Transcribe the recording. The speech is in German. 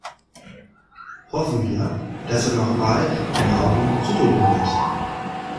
Hoffen wir, dass er noch mal ein Auge zudrücken wird.